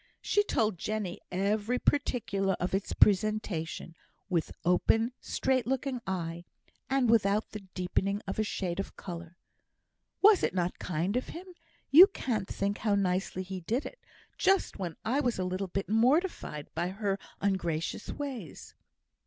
She told Jenny every particular of its presentation, with open, straight looking eye, and without the deepening of a shade of colour. "Was it not kind of him? You can't think how nicely he did it, just when I was a little bit mortified by her ungracious ways."